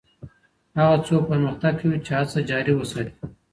هغه څوک پرمختګ کوي چي هڅه جاري وساتي